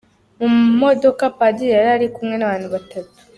Mu modoka Padiri yari ari kumwe n’abantu batatu.